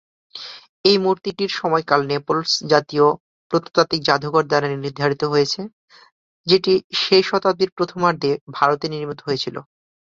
এই মূর্তিটির সময়কাল নেপলস জাতীয় প্রত্নতাত্ত্বিক যাদুঘর দ্বারা নির্ধারিত হয়েছে, যেটি সেই শতাব্দীর প্রথমার্ধে ভারতে নির্মিত হয়েছিল।